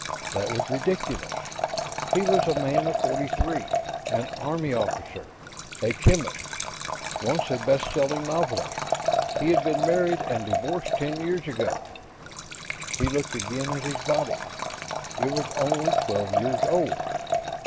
That was ridiculous. He was a man of forty three; an army officer, a chemist, once a best selling novelist. He had been married, and divorced ten years ago. He looked again at his body. It was only twelve years old.